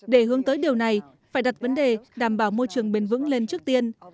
để hướng tới điều này phải đặt vấn đề đảm bảo môi trường bền vững lên trước tiên